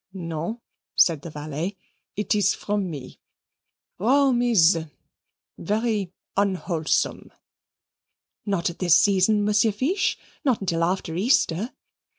"No," said the valet; "it is from me. Rome is very unwholesome." "Not at this season, Monsieur Fiche not till after Easter."